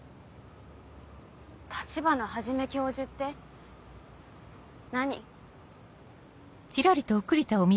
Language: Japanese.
立花始教授って何？